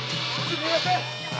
すいません。